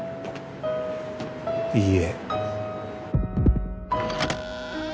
いいえ